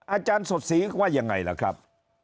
อาจารย์สดศรีว่ายังไงล่ะครับ